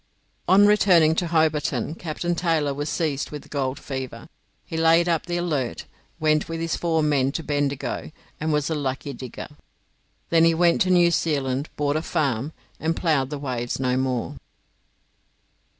On returning to Hobarton Captain Taylor was seized with the gold fever. He laid up the 'Alert', went with his four men to Bendigo, and was a lucky digger. Then he went to New Zealand, bought a farm, and ploughed the waves no more.